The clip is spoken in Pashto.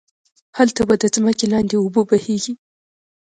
هلته به ده ځمکی لاندی اوبه بهيږي